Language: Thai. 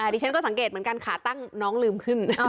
ดิฉันก็สังเกตเหมือนกันขาตั้งน้องลืมขึ้น